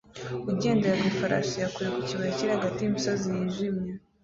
Ugendera ku ifarashi ya kure ku kibaya kiri hagati y'imisozi yijimye